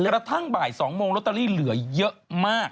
กระทั่งบ่าย๒โมงลอตเตอรี่เหลือเยอะมาก